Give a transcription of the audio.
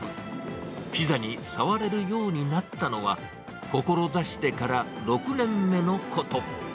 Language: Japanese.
ピザに触れるようになったのは、志してから６年目のこと。